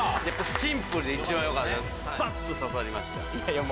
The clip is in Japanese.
やっぱシンプルで一番よかった。